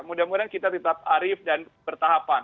mudah mudahan kita tetap arif dan bertahapan